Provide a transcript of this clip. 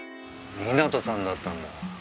港さんだったんだ。